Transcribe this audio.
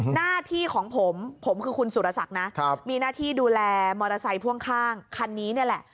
หน้าที่ของผมผมคือคุณสุรศักดิ์นะมีหน้าที่ดูแลมอเตอร์ไซค์พ่วงข้างคันนี้นี่แหละ